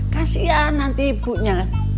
kasian nanti ibunya